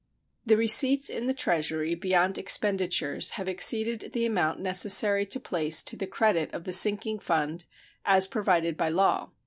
The receipts in the Treasury beyond expenditures have exceeded the amount necessary to place to the credit of the sinking fund, as provided by law.